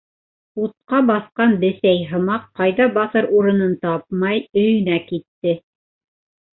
Утҡа баҫҡан бесәй һымаҡ, ҡайҙа баҫыр урынын тапмай, өйөнә китте.